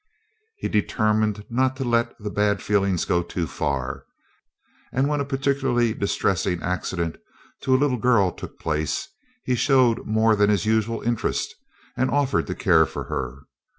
He determined not to let the bad feelings go too far, and when a particularly distressing accident to a little girl took place, he showed more than his usual interest and offered to care for her.